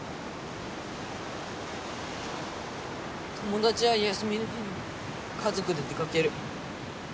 友達は休みの日に家族で出かける。